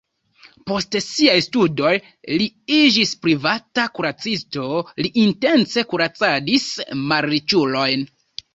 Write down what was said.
Post siaj studoj li iĝis privata kuracisto, li intence kuracadis malriĉulojn.